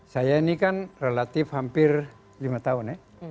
saya ini kan relatif hampir lima tahun ya